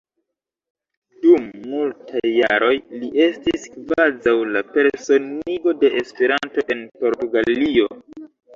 Dum multaj jaroj li estis kvazaŭ la personigo de Esperanto en Portugalio.